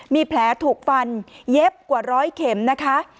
มีแผลถูกฟันเย็บกว่าร้อยเข็มนะคะ